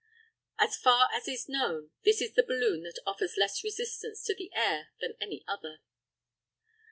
As far as is known, this is the balloon that offers less resistance to the air than any other.